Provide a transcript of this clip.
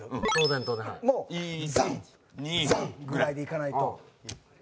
もう「ザンザン」ぐらいでいかないと。